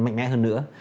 mạnh mẽ hơn nữa